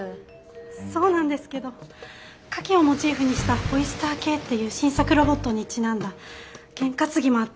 そうなんですけどカキをモチーフにしたオイスターＫっていう新作ロボットにちなんだゲン担ぎもあって。